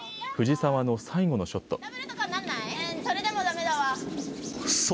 藤澤の最後のショット。